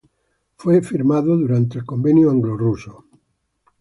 Fue firmado durante el Convenio anglo-ruso.